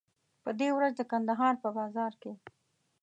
په دې ورځ د کندهار په بازار کې.